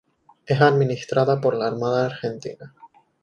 Es administrada por la Armada Argentina.